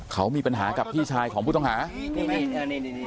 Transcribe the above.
เขามีปัญหากับพี่ชายของผู้ต้องหานี่นี่นี่นี่นี่นี่